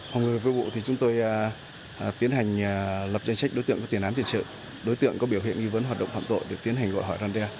hoặc người vô vụ thì chúng tôi tiến hành lập danh sách đối tượng có tiền án tiền sự đối tượng có biểu hiện nghi vấn hoạt động phạm tội được tiến hành gọi hỏi đoàn đe